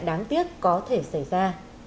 đáng tiếc có thể xảy ra